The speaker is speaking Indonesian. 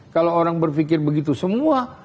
kalau orang berpikir begitu semua